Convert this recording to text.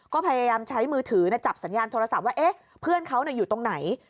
ก็พยายามใช้มือถือจับสัญญาณโทรศัพท์ว่าเอ๊ะเพื่อนเขาอยู่ตรงไหน